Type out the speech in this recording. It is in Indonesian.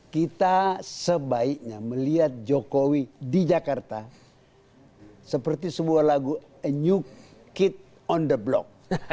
kita sebaiknya melihat jokowi di jakarta seperti sebuah lagu a new kid on the block